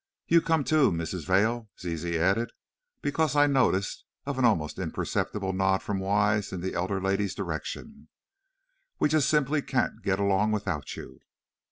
"You come, too, Mrs. Vail," Zizi added, because, I noticed, of an almost imperceptible nod from Wise in the elder lady's direction. "We just simpully can't get along without you."